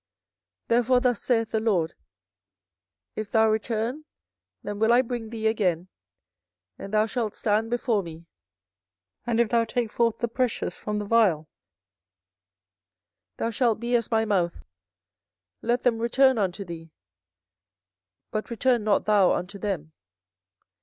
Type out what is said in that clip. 24:015:019 Therefore thus saith the LORD, If thou return, then will I bring thee again, and thou shalt stand before me: and if thou take forth the precious from the vile, thou shalt be as my mouth: let them return unto thee; but return not thou unto them.